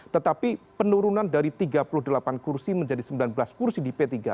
tetapi penurunan dari tiga puluh delapan kursi menjadi sembilan belas kursi di p tiga